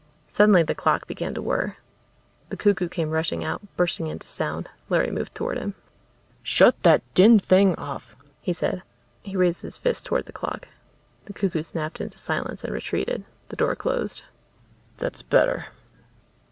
Suddenly the clock began to whirr. The cuckoo came rushing out, bursting into sound. Larry moved toward him. "Shut that din off," he said. He raised his fist toward the clock. The cuckoo snapped into silence and retreated. The door closed. "That's better."